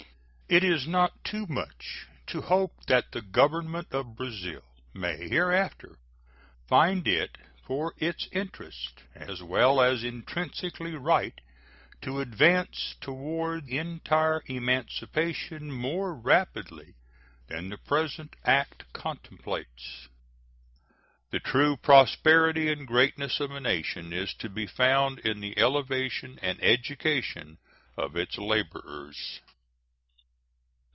It is not too much to hope that the Government of Brazil may hereafter find it for its interest, as well as intrinsically right, to advance toward entire emancipation more rapidly than the present act contemplates. The true prosperity and greatness of a nation is to be found in the elevation and education of its laborers.